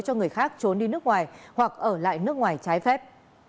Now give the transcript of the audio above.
cho người khác trốn đi nước ngoài hoặc ở lại nước ngoài trái phép